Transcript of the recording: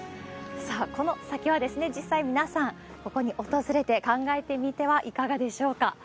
さあ、この先は、実際皆さん、ここに訪れて考えてみてはいかがでしょうか。